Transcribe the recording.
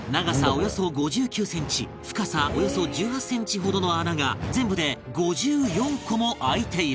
およそ５９センチ深さおよそ１８センチほどの穴が全部で５４個も開いている